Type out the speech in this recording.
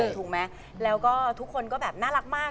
ถูกไหมแล้วก็ทุกคนก็แบบน่ารักมาก